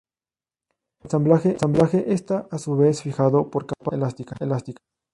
El ensamblaje está a su vez fijado por capas elásticas.